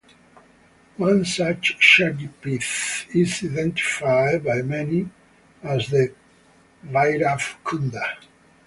One such Shakti Peeth is identified by many as the Bhairab Kunda.